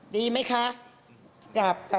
ดีไหมคะ